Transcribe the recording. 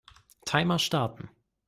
Timer starten.